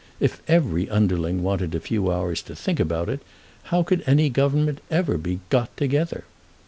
If every underling wanted a few hours to think about it, how could any Government ever be got together?